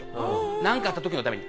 なんかあった時のために。